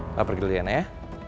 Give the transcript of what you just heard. aku pergi dulu diana ya